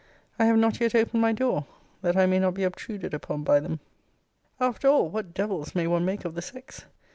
I have not yet opened my door, that I may not be obtruded upon my them. After all, what devils may one make of the sex!